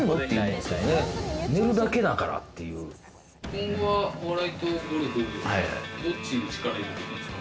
今後はお笑いとゴルフ、どっちに力を入れていくんですか？